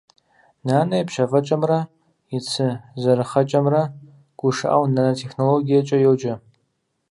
Нанэ и пщафӏэкӏэмрэ и цы зэрыхъэкӏэмрэ гушыӏэу «нанэтехнологиекӏэ» йоджэ.